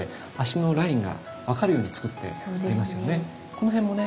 この辺もね